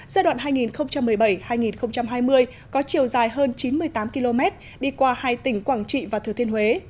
giai đoạn hai nghìn một mươi bảy hai nghìn hai mươi có chiều dài hơn chín mươi tám km đi qua hai tỉnh quảng trị và thừa thiên huế